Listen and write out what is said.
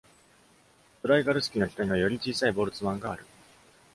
ドライガルスキの北には、より小さいボルツマンがある。